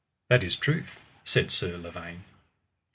That is truth, said Sir Lavaine.